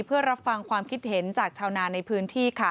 เพื่อรับฟังความคิดเห็นจากชาวนาในพื้นที่ค่ะ